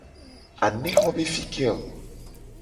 Anexo be fi ke o ?